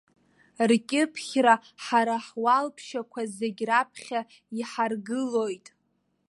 Ркьыԥхьра ҳара ҳуалԥшьақәа зегьы раԥхьа иҳаргылоит!